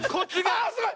あすごい！